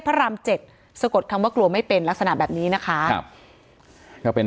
พระรามเจ็ดสะกดคำว่ากลัวไม่เป็นลักษณะแบบนี้นะคะครับก็เป็น